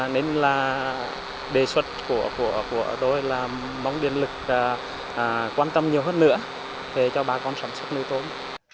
nên là đề xuất của tôi là mong điện lực quan tâm nhiều hơn nữa cho bà con sản xuất nơi tốt